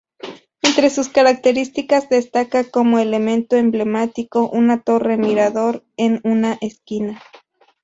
Entre sus características destaca como elemento emblemático, una torre mirador en una esquina.